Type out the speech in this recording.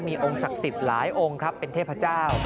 มีองค์ศักดิ์สิทธิ์หลายองค์ครับเป็นเทพเจ้า